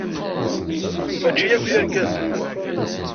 Maci akk d irgazen.